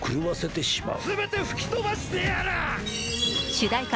主題歌